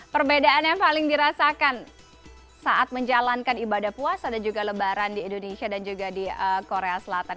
perbedaan yang paling dirasakan saat menjalankan ibadah puasa dan juga lebaran di indonesia dan juga di korea selatan